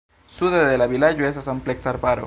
Sude de la vilaĝo estas ampleksa arbaro.